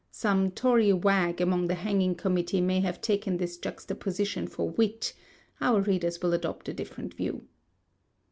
Some Tory wag among the Hanging Committee may have taken this juxtaposition for wit: our readers will adopt a different view.